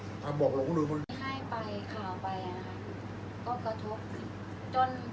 อันไหนที่มันไม่จริงแล้วอาจารย์อยากพูด